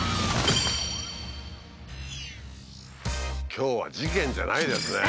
今日は事件じゃないですね。